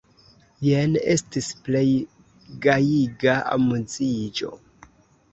Jen estis plej gajiga amuziĝo!